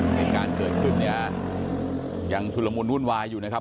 ในการเกิดขึ้นเนี่ยยังชดละมวลอุ้นวายอยู่นะครับ